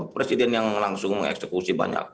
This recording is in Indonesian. presiden yang langsung mengeksekusi banyak